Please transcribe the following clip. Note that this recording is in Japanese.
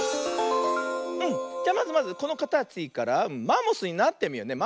じゃまずまずこのかたちからマンモスになってみようね。